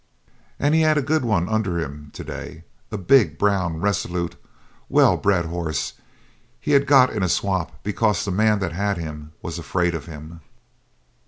And he had a good one under him to day; a big, brown, resolute, well bred horse he had got in a swap because the man that had him was afraid of him.